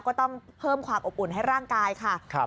ก็ต้องเพิ่มความอบอุ่นให้ร่างกายค่ะ